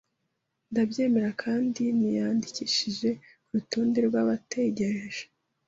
ndabyemera kandi niyandikishije kurutonde rwabategereje